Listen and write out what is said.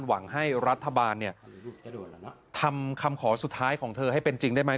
หวังให้รัฐบาลเนี่ยทำคำขอสุดท้ายของเธอให้เป็นจริงได้ไหม